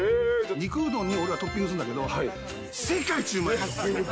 肉うどんに、俺はトッピングするんだけど、世界一うまいです。